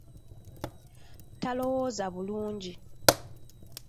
Talowooza bulungi.